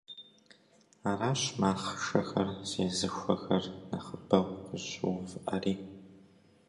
Аращ махъшэхэр зезыхуэхэр нэхъыбэу къыщыувыӏэри.